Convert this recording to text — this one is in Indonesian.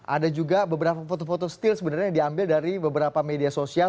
ada juga beberapa foto foto still sebenarnya yang diambil dari beberapa media sosial